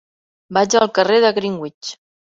Vaig al carrer de Greenwich.